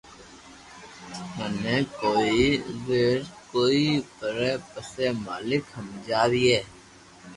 مني ڪوئي زبر ڪوئي پري پسي مالڪ ھمجاوئي